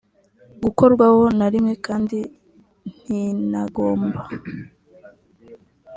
gukorwaho na rimwe kandi ntinagomba